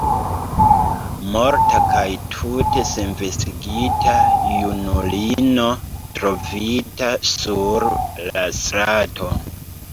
Morta kaj tute senvestigita junulino trovita sur la strato!